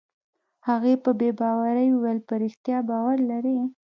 هغه په بې باورۍ وویل: په رښتیا باور لرې؟